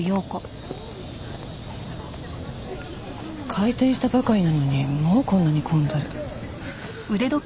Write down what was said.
開店したばかりなのにもうこんなに混んでる。